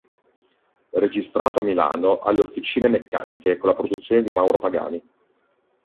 Registrato a Milano alle Officine Meccaniche con la produzione di Mauro Pagani.